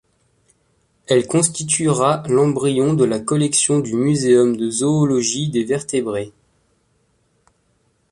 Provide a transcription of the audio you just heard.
Elle constituera l’embryon de la collection du Muséum de zoologie des vertébrés.